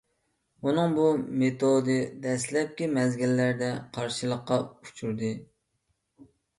ئۇنىڭ بۇ مېتودى دەسلەپكى مەزگىللەردە قارشىلىققا ئۇچرىدى.